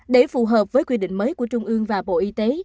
để phù hợp với quy định mới của trung ương và bộ y tế